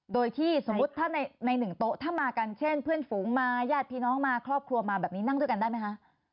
โดยที่สมมุติถ้าในหนึ่งโต๊ะถ้ามากันเช่นเพื่อนฝูงมาญาติพี่น้องมาครอบครัวมาแบบนี้นั่งด้วยกันได้ไหมคะ